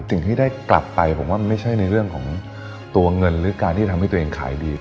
สิ่งที่ได้กลับไปผมว่ามันไม่ใช่ในเรื่องของตัวเงินหรือการที่ทำให้ตัวเองขายดี